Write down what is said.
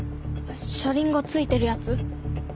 車輪が付いてるやつ。